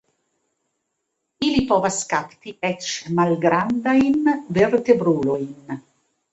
Ili povas kapti eĉ malgrandajn vertebrulojn.